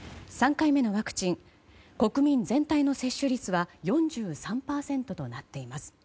３回目のワクチン国民全体の接種率は４３％となっています。